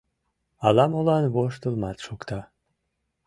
Ала-молан воштылмат шокта.